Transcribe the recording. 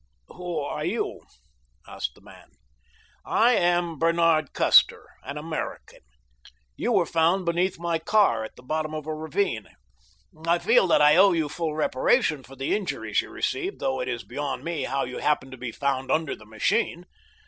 "Who are you?" asked the man. "I am Bernard Custer, an American. You were found beneath my car at the bottom of a ravine. I feel that I owe you full reparation for the injuries you received, though it is beyond me how you happened to be found under the machine.